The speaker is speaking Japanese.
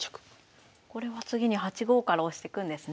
これは次に８五から押してくんですね。